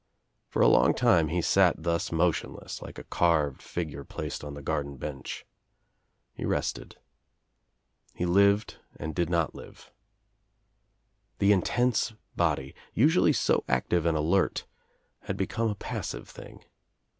For a long time he sat thus motionless, like a carved figure placed on the garden bench. He rested. He lived and did not live. The intense body, usually so active and alert, had become a passive thing.